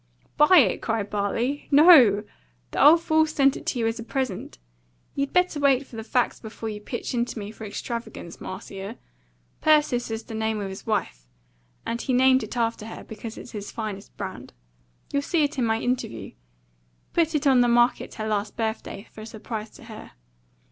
"Buy it?" cried Bartley. "No! The old fool's sent it to you as a present. You'd better wait for the facts before you pitch into me for extravagance, Marcia. Persis is the name of his wife; and he named it after her because it's his finest brand. You'll see it in my interview. Put it on the market her last birthday for a surprise to her."